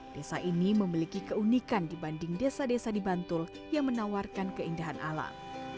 desa ini memiliki keunikan dibanding desa desa di bantul yang menawarkan keindahan alam